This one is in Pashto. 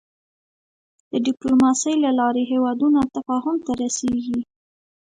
د د ډيپلوماسی له لارې هېوادونه تفاهم ته رسېږي.